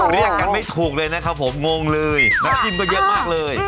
เรียกกันไม่ถูกเลยนะครับผมงงเลยน้ำจิ้มก็เยอะมากเลย